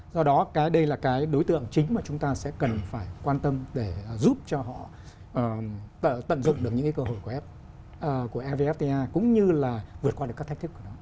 do đó đây là cái đối tượng chính mà chúng ta sẽ cần phải quan tâm để giúp cho họ tận dụng được những cơ hội của mvfta cũng như là vượt qua các thách thức của nó